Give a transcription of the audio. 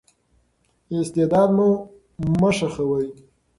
استعداد مو مه خښوئ.